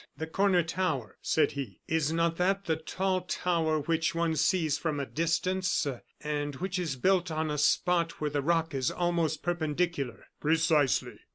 "The corner tower!" said he; "is not that the tall tower which one sees from a distance, and which is built on a spot where the rock is almost perpendicular?" "Precisely."